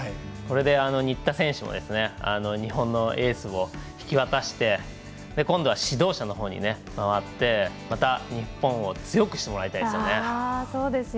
これで、新田選手も日本のエースを引き渡して今度は指導者のほうに回ってまた、日本を強くしてもらいたいですね。